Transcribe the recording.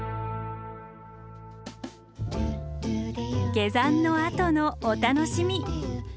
下山のあとのお楽しみ。